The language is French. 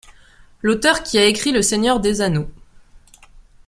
L'auteur qui a écrit le Seigneur des anneaux.